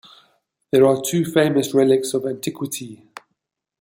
There are two famous relics of antiquity.